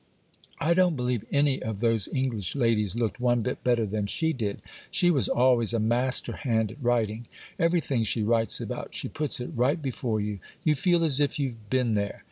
I don't believe any of those English ladies looked one bit better than she did. She was always a master hand at writing. Everything she writes about, she puts it right before you. You feel as if you'd been there.